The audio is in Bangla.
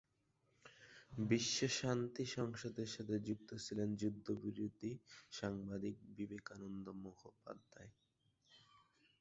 বিশ্ব শান্তি সংসদের সাথে যুক্ত ছিলেন যুদ্ধবিরোধী সাংবাদিক বিবেকানন্দ মুখোপাধ্যায়।